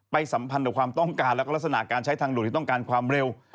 สัมพันธ์กับความต้องการแล้วก็ลักษณะการใช้ทางด่วนที่ต้องการความเร็ว